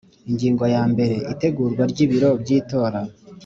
Ingingo ya mbere Itegurwa ry ibiro by itora